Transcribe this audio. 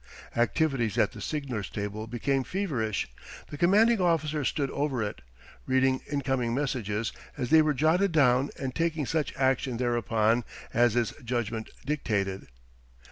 Activities at the signallers' table became feverish; the commanding officer stood over it, reading incoming messages as they were jotted down and taking such action thereupon as his judgment dictated.